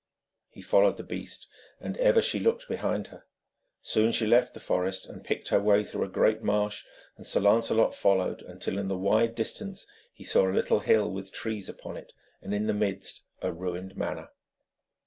He followed the beast, and ever she looked behind her. Soon she left the forest, and picked her way through a great marsh, and Sir Lancelot followed, until in the wide distance he saw a little hill with trees upon it, and in the midst a ruined manor.